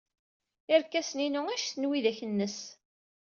Irkasen-inu anect n widak-nnes.